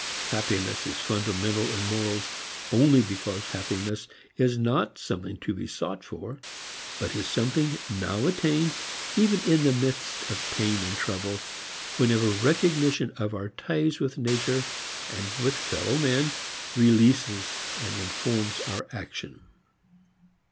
Happiness is fundamental in morals only because happiness is not something to be sought for, but is something now attained, even in the midst of pain and trouble, whenever recognition of our ties with nature and with fellow men releases and informs our action.